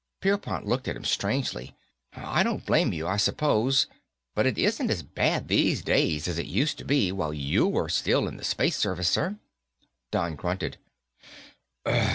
Pierpont looked at him strangely. "I don't blame you, I suppose. But it isn't as bad these days as it used to be while you were still in the Space Service, sir." Don grunted.